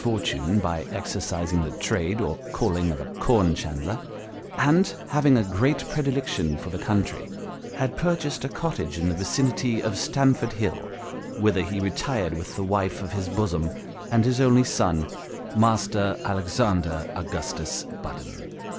235 fortune by exercising the trade or calling of a corn chandler, and having a great predilection for the country, had purchased a cottage in the vicinity of Stamford Hill, whither he retired with the wife of his bosom, and his only son, Master Alexander Augustus Budden.